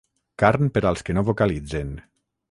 Carn per als que no vocalitzen.